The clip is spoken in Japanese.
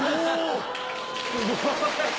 すごい。